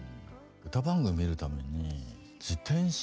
歌番組見るために自転車